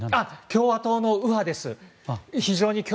共和党の右派です。